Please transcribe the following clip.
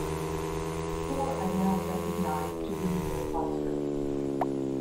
Four are now recognised to be in the cluster.